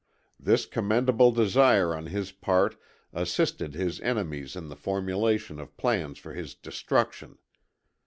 This commendable desire on his part assisted his enemies in the formulation of plans for his destruction.